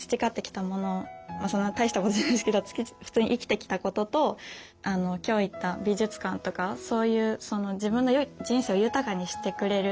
そんな大したことじゃないですけど普通に生きてきたことと今日行った美術館とかそういうその自分の人生を豊かにしてくれる体験。